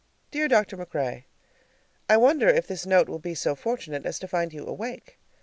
Dear Dr. MacRae: I wonder if this note will be so fortunate as to find you awake?